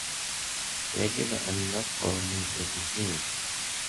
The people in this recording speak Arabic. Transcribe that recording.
يجب أن نبقى منتبهين.